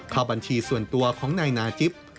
เข้าบัญชีส่วนตัวของนายนาจิ๊บ